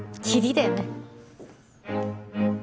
だよね。